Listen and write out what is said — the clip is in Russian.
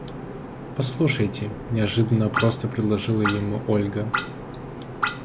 – Послушайте, – неожиданно просто предложила ему Ольга.